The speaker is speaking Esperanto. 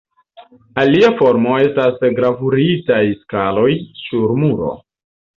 Alia formo estas gravuritaj skaloj sur muro.